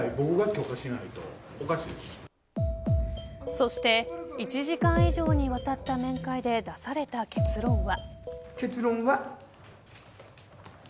そして１時間以上にわたった面会で出された結論は。